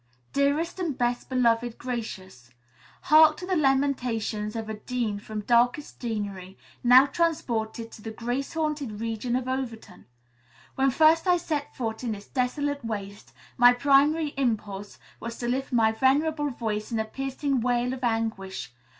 "DEAREST AND BEST LOVED GRACIOUS: "Hark to the lamentations of a Dean from darkest Deanery, now transported to the Grace haunted region of Overton! When first I set foot in this desolate waste, my primary impulse was to lift my venerable voice in a piercing wail of anguish.